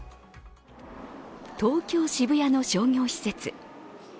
東京・渋谷の商業施設。